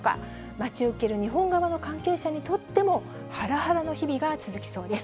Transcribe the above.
待ち受ける日本側の関係者にとっても、はらはらの日々が続きそうです。